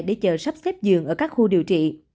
để chờ sắp xếp giường ở các khu điều trị